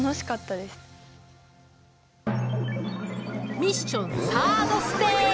ミッションサードステージ！